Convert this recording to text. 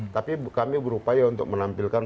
tapi kami berupaya untuk menampilkan